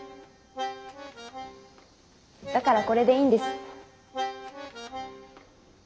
だからこれでいいんです。